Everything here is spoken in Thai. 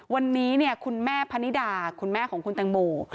วันนี้คุณแม่พนิดาคุณแม่ของคุณแตงโม